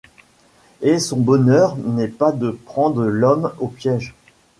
Et son bonheur n’est pas de prendre l’homme au piège.